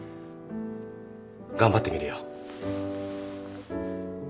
頑張ってみるよ